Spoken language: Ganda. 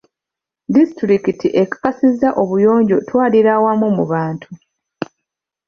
Disitulikiti ekakasizza obuyonjo twalirawamu mu bantu.